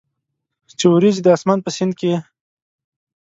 چې اوریځي د اسمان په سیند کې،